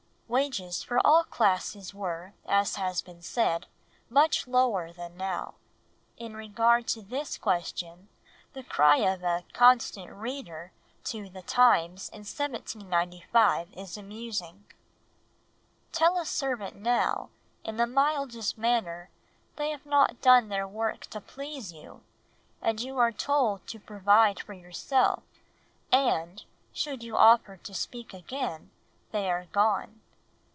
Wages for all classes were, as has been said, much lower than now; in regard to this question the cry of a "Constant Reader" to The Times in 1795 is amusing— "Tell a servant now, in the mildest manner, they have not done their work to please you, and you are told to provide for yourself, and, should you offer to speak again, they are gone....